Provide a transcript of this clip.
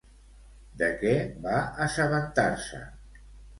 De què va assabentar-se?